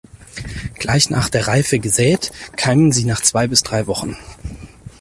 Gleich nach der Reife gesät, keimen sie nach zwei bis drei Wochen.